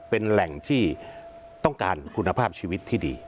เป็นแหล่งที่ต้องการคุณภาพชีวิตที่ดี